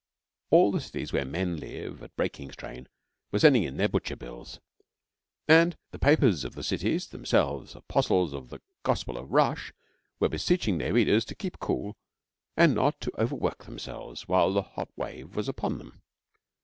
All the cities where men live at breaking strain were sending in their butcher bills, and the papers of the cities, themselves apostles of the Gospel of Rush, were beseeching their readers to keep cool and not to overwork themselves while the hot wave was upon them.